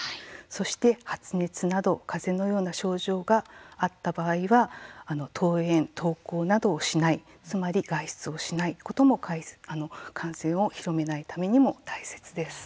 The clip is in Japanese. そして、発熱などかぜのような症状があった場合は登園、登校などしないつまり外出をしないことも感染を広めないためにも大切です。